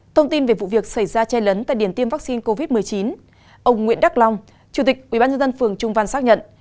thông tin về vụ việc xảy ra che lấn tại điểm tiêm vaccine covid một mươi chín ông nguyễn đắc long chủ tịch ubnd phường trung văn xác nhận